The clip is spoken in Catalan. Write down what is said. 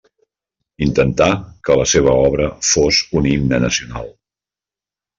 Intentà que la seva obra fos un himne nacional.